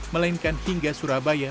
melainkan hingga surabaya